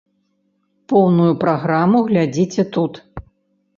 Поўную праграму глядзіце тут.